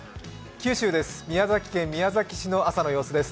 九州です、宮崎県宮崎市の朝の様子です。